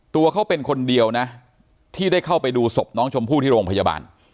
ตัวเขาเป็นคนเดียวนะที่ได้เข้าไปดูศพน้องชมพู่ที่โรงพยาบาล